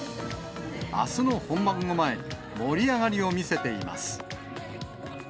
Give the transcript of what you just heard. あすの本番を前に、盛り上がりを見せています。